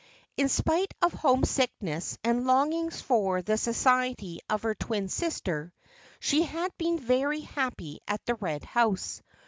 In spite of home sickness and longings for the society of her twin sister, she had been very happy at the Red House.